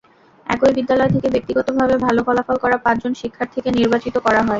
একই বিদ্যালয় থেকে ব্যক্তিগতভাবে ভালো ফলাফল করা পাঁচ শিক্ষার্থীকে নির্বাচিত করা হয়।